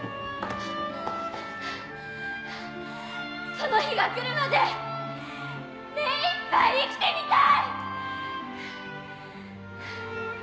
「その日が来るまで目いっぱい生きてみたい！」